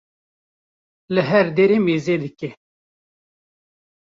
li her dere mêze dike.